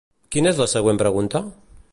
Quina és la següent pregunta?